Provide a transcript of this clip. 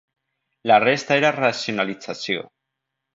La resta era racionalització.